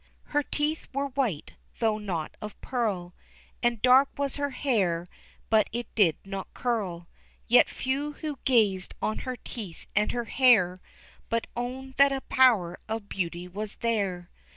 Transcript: Her teeth were white, though not of pearl, And dark was her hair, but it did not curl; Yet few who gazed on her teeth and her hair, But owned that a power of beauty was there.